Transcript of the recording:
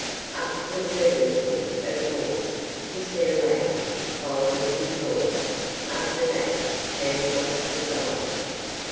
'Up to a certain point, of course,' he said aloud, following his thoughts, 'after that, chance must decide.